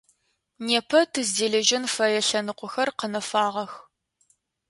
Непэ тыздэлэжьэн фэе лъэныкъохэр къэнэфагъэх.